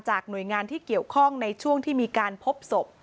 หน่วยงานที่เกี่ยวข้องในช่วงที่มีการพบศพ